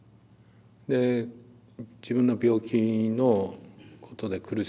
で自分の病気のことで苦しむ。